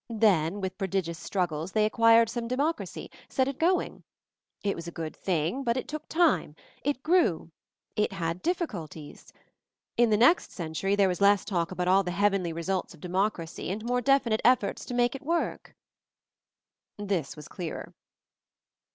Then, with prodig ious struggles, they acquired some Democ racy — set it going. It was a good thing. But it took time. It grew. It had diffi culties. In the next century, there was less talk about all the heavenly results of De mocracy, and more definite efforts to make it work." This was clearer.